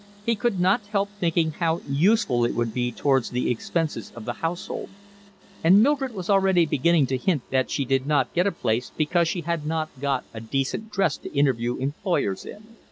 He could not help thinking how useful it would be towards the expenses of the household, and Mildred was already beginning to hint that she did not get a place because she had not got a decent dress to interview employers in.